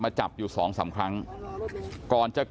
ไม่เจอคนตกหนัก